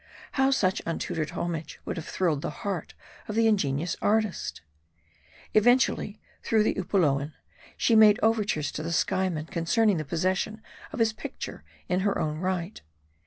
How such untutored homage would have thrilled the heart of the ingenious artist ! Eventually, through the Upoluan, she made overtures to the Skyeman, concerning the possession of his picture in her own proper right.